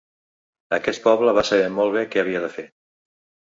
Aquest poble va saber molt bé què havia de fer.